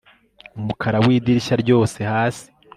umukara w'idirishya ryose hasi